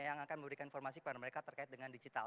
yang akan memberikan informasi kepada mereka terkait dengan digital